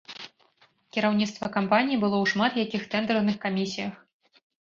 Кіраўніцтва кампаніі было ў шмат якіх тэндэрных камісіях.